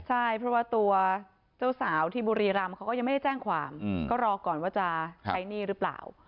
ใช่เพราะว่าตัวเจ้าสาวที่บุรีรำเขาก็ยังไม่ได้แจ้งความก็รอก่อนว่าจะใช้หนี้หรือเปล่า